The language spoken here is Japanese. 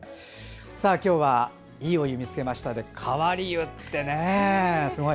今日は「＃いいお湯見つけました」で日替わり湯ってすごい。